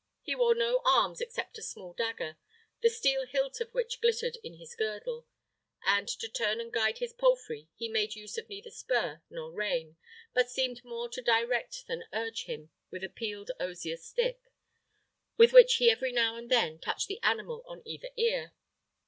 He wore no arms except a small dagger, the steel hilt of which glittered in his girdle; and to turn and guide his palfrey he made use of neither spur nor rein, but seemed more to direct than urge him with a peeled osier stick, with which he every now and then touched the animal on either ear.